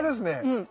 うん。